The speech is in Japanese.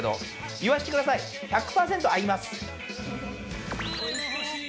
言わせてください、１００％あります。